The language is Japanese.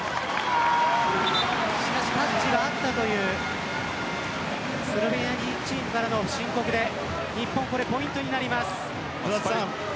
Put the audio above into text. しかし、タッチがあったというスロベニアチームからの申告で日本のポイントになります。